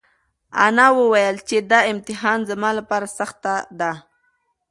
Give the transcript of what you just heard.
انا وویل چې دا امتحان زما لپاره سخته ده.